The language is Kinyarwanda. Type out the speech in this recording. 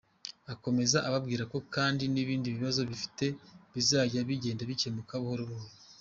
Akomeza ababwira ko kandi n’ibindi bibazo bafite bizajya bigenda bikemuka buhoro buhoro.